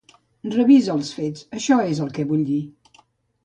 Revisa els fets, això és el que vull dir.